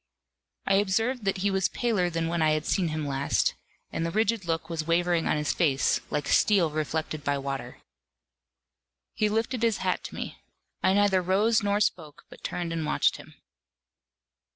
I observed that he was paler than when I had seen him last, and the rigid look was wavering on his face, like steel reflected by water. He lifted his hat to me. I neither rose nor spoke, but turned and watched him.